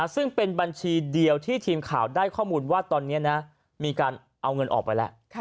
ซึ่งเป็นบัญชีเดียวที่ทีมข่าวได้ข้อมูลว่าตอนนี้มีการเอาเงินออกไปแล้ว